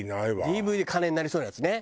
ＤＶＤ金になりそうなやつね。